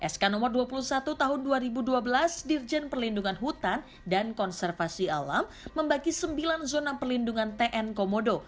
sk no dua puluh satu tahun dua ribu dua belas dirjen perlindungan hutan dan konservasi alam membagi sembilan zona perlindungan tn komodo